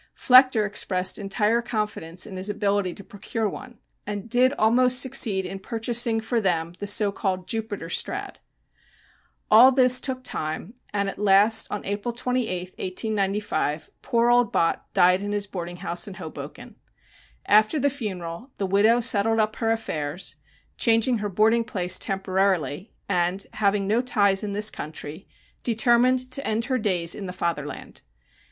Flechter expressed entire confidence in his ability to procure one, and did almost succeed in purchasing for them the so called "Jupiter Strad." All this took time, and at last, on April 28th, 1895, poor old Bott died in his boarding house in Hoboken. After the funeral the widow settled up her affairs, changing her boarding place temporarily, and, having no ties in this country, determined to return to end her days in the Fatherland.